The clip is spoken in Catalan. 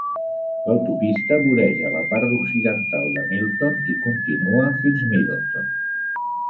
L'autopista voreja la part occidental de Milton i continua fins Middleton.